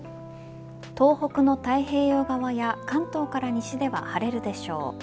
東北の太平洋側や関東から西では晴れるでしょう。